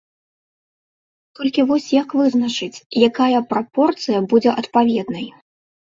Толькі вось як вызначыць, якая прапорцыя будзе адпаведнай?